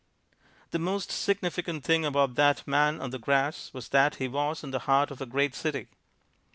The most significant thing about that man on the grass was that he was in the heart of a great city.